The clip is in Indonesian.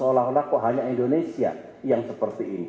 oh la la kok hanya indonesia yang seperti ini